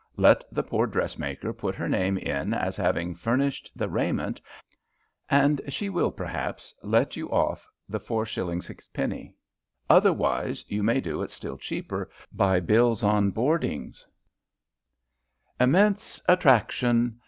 let the poor dressmaker put her name in as having furnished the raiment, and she will, perhaps, let you off the 4s. 6d.; otherwise, you may do it still cheaper by bills on hoardings IMMENSE ATTRACTION!